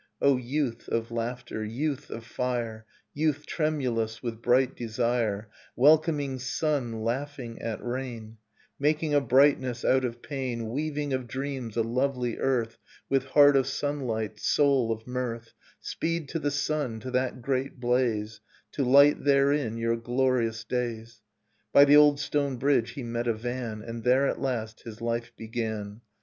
O youth of laughter, youth of fire, Youth tremulous with bright desire, Welcoming sun, laughing at rain, Making a brightness out of pain, Weaving of dreams a lovely earth With heart of sunlight, soul of mirth : Speed to the sun, to that great blaze, To light therein your glorious days. By the old stone bridge he met a van, And there at last his life began.